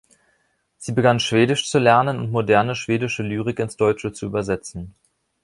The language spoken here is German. Sie begann Schwedisch zu lernen und moderne schwedische Lyrik ins Deutsche zu übersetzen.